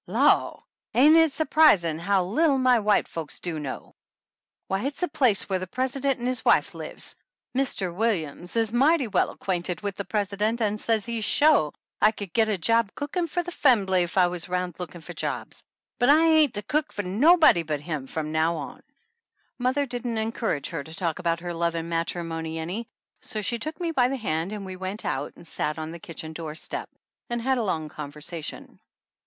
"Law ! Ain't it surprising how little my white folks do know! Why, it's the place where the president and his wife lives. Mr. Williams is 92 THE ANNALS OF ANN mighty well acquainted with the president and says he's shore I could git a job cooking for the fambly if I was 'round lookin' for jobs. But I ain't to cook for nobody but him from now on." Mother didn't encourage her to talk about her love and matrimony any, so she took me by the hand and we went out and sat down on the kitchen doorstep and had a long conversation.